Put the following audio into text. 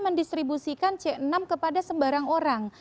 mendistribusikan c enam kepada sembarang orang